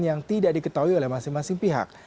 yang tidak diketahui oleh masing masing pihak